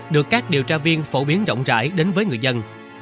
được các điều tra viên phổ biến rộng rãi đến với người dân